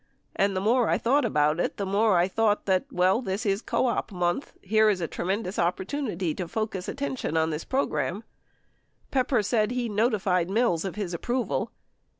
... And the more I thought about it, the more I thought that, well, this is co op month. Here is a tremendous opportu nity to focus attention on this program." 44 Pepper said he notified Mills of his approval.